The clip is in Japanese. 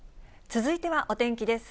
続いてはお天気です。